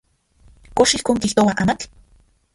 ¿Kox ijkon kijtoa amatl?